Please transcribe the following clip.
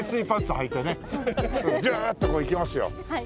ズーッとこういきますよ。